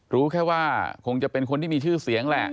รู้แค่ว่าคงจะเป็นคนที่มีชื่อเสียงแหละ